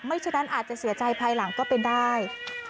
ฉะนั้นอาจจะเสียใจภายหลังก็เป็นได้